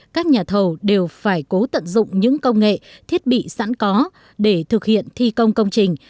các nhà thầu đều phải cố tận dụng những công nghệ thiết bị sẵn có để thực hiện thi công công trình